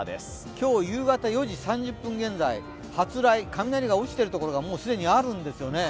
今日夕方４時３０分現在、発雷、雷が落ちているところがあるんです。